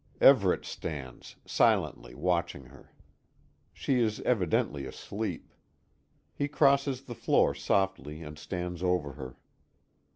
Everet stands, silently, watching her. She is evidently asleep. He crosses the floor softly and stands over her.